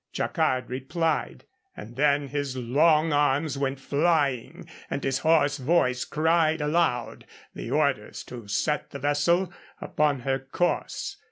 Jacquard replied; and then his long arms went flying and his hoarse voice cried aloud the orders to set the vessel upon her course.